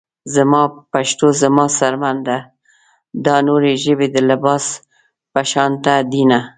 زما پښتو زما څرمن ده دا نورې ژبې د لباس پشانته دينه